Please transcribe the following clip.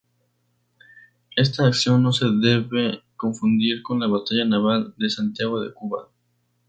Esta acción no se debe confundir con la batalla naval de Santiago de Cuba.